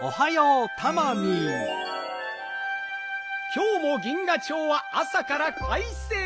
きょうも銀河町はあさからかいせい！